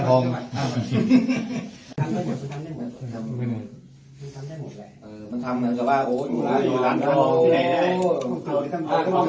ถ้ามีถ้าเขียนละท่อง